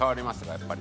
やっぱり。